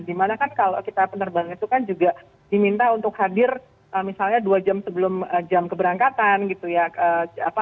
dimana kan kalau kita penerbangan itu kan juga diminta untuk hadir misalnya dua jam sebelum jam keberangkatan gitu ya